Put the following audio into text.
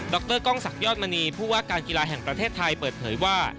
รกล้องศักดอดมณีผู้ว่าการกีฬาแห่งประเทศไทยเปิดเผยว่า